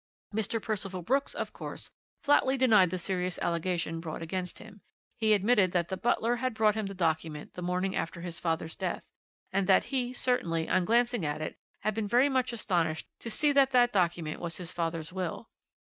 "Mr. Percival Brooks, of course, flatly denied the serious allegation brought against him. He admitted that the butler had brought him the document the morning after his father's death, and that he certainly, on glancing at it, had been very much astonished to see that that document was his father's will.